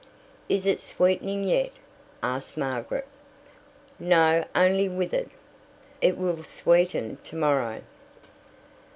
"Is it sweetening yet?" asked Margaret. "No, only withered." "It will sweeten tomorrow."